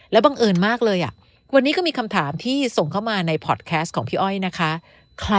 บังเอิญมากเลยวันนี้ก็มีคำถามที่ส่งเข้ามาในพอร์ตแคสต์ของพี่อ้อยนะคะ